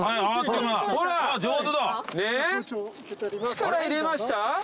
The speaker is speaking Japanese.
力入れました？